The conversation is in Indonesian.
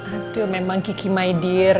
aduh memang kiki my dear